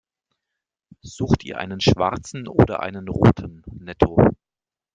Sucht ihr einen schwarzen oder einen roten Netto?